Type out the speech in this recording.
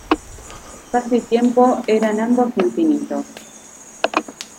Espacio y tiempo eran ambos infinitos.